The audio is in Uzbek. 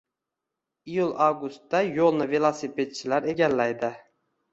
Iyul-avgustda yo`lni velospedchilar egallaydi